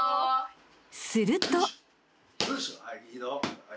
［すると］